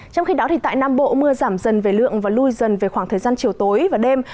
trong khi đó tại nam bộ mưa giảm dần về lượng và lui dần về khoảng thời gian chiều tối và đêm